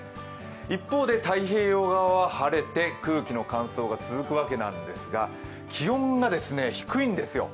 一方で、太平洋側は晴れて、空気の乾燥が続く訳なんですが気温が低いんですよ。